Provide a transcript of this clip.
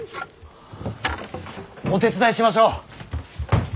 お手伝いしましょう。